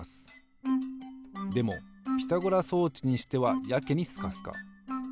でもピタゴラ装置にしてはやけにスカスカ。